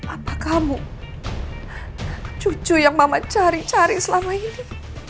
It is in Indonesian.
apa kamu cucu yang mama cari cari selama ini